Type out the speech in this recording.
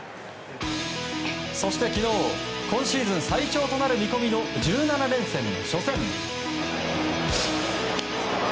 そして昨日今シーズン最長となる見込みの１７連戦の初戦。